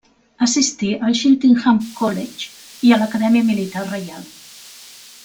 Assistí al Cheltenham College i a l'Acadèmia Militar Reial.